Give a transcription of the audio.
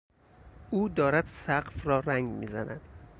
او دارد سقف را رنگ میزند.